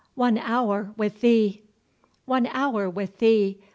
— One hour with thee! One hour with thee!